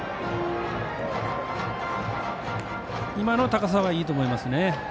今の高さはいいと思います。